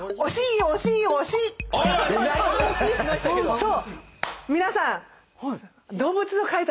そう。